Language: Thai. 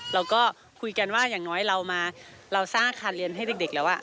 เราก็คุยกันว่าอย่างน้อยเรามาเราสร้างอาคารเรียนให้เด็กแล้ว